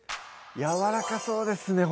やわらかそうですね